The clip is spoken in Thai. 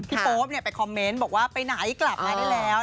โป๊ปไปคอมเมนต์บอกว่าไปไหนกลับมาได้แล้ว